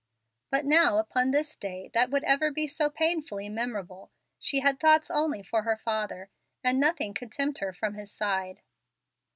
But now upon this day that would ever be so painfully memorable she had thoughts only for her father, and nothing could tempt her from his side.